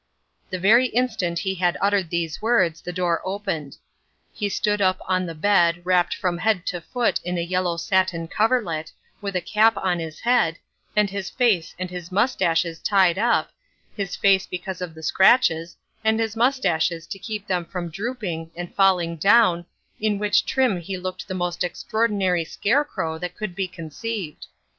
The very instant he had uttered these words, the door opened. He stood up on the bed wrapped from head to foot in a yellow satin coverlet, with a cap on his head, and his face and his moustaches tied up, his face because of the scratches, and his moustaches to keep them from drooping and falling down, in which trim he looked the most extraordinary scarecrow that could be conceived.